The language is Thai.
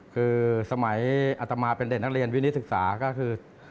คือสมัยอัตมาเป็นเด็กนักเรียนวินิตศึกษาก็คือ